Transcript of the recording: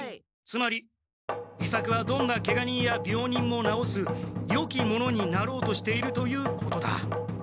つまり伊作はどんなケガ人や病人もなおすよき者になろうとしているということだ。